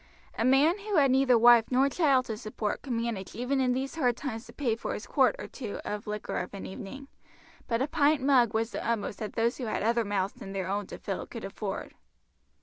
A man who had neither wife nor child to support could manage even in these hard times to pay for his quart or two of liquor of an evening; but a pint mug was the utmost that those who had other mouths than their own to fill could afford.